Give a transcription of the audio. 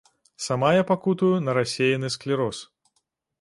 Сама я пакутую на рассеяны склероз.